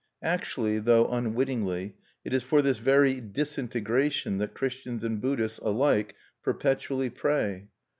Actually, though unwittingly, it is for this very disintegration that Christians and Buddhists alike perpetually pray.